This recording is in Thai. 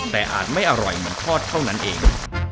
แต่อาจไม่อร่อยเหมือนทอดเท่านั้นเอง